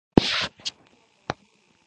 Su lema era: "Orden, libertad, saber".